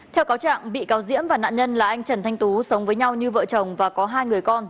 theo cáo trạng bị cáo diễm và nạn nhân là anh trần thanh tú sống với nhau như vợ chồng và có hai người con